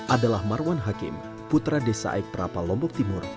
adalah marwan hakim putra desa iqperapa lombok timur